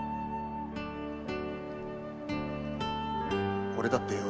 〔俺だってよ